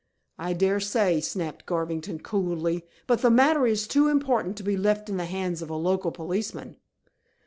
"I daresay," snapped Garvington, coolly. "But the matter is too important to be left in the hands of a local policeman."